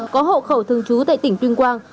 có hậu khẩu thường trú tại tỉnh tuyên quang